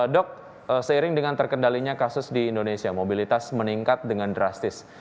dok seiring dengan terkendalinya kasus di indonesia mobilitas meningkat dengan drastis